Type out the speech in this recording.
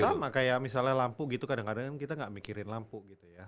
sama kayak misalnya lampu gitu kadang kadang kita gak mikirin lampu gitu ya